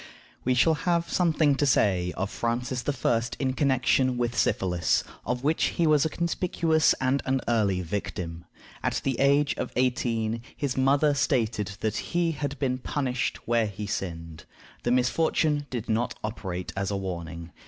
We shall have something to say of Francis I. in connection with syphilis, of which he was a conspicuous and an early victim. At the age of eighteen his mother stated that he had been punished where he sinned. The misfortune did not operate as a warning.